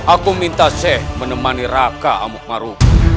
aku minta syeh menemani raka amukamaru